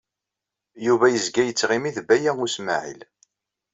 Yuba yezga yettɣimi ed Baya U Smaɛil.